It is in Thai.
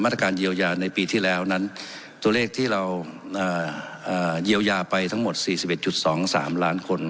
มาตรการเยียวยาในปีที่แล้วนั้นตัวเลขที่เราอ่าอ่าเยียวยาไปทั้งหมดสี่สิบเอ็ดจุดสองสามล้านคน